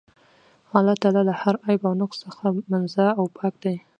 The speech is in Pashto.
الله تعالی له هر عيب او نُقص څخه منزَّه او پاك دی